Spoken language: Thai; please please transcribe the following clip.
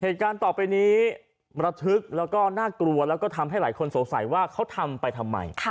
เหตุการณ์ต่อไปนี้ระทึกแล้วก็น่ากลัวแล้วก็ทำให้หลายคนสงสัยว่าเขาทำไปทำไม